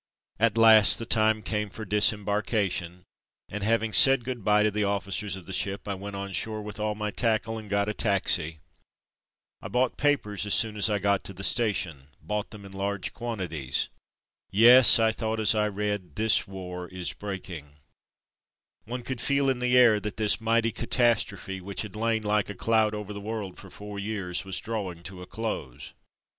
At last the time came for disembarkation, and having said good bye to the officers of the ship I went on shore with all my tackle and got a taxi. I bought papers as soon as I got to the 311 312 From Mud to Mufti station — bought them in large quantities. ''Yes/' I thought as I read, ''this war is breaking/' One could feel in the air that this mighty catastrophe, which had lain like a cloud over the world for four years, was drawing to a close.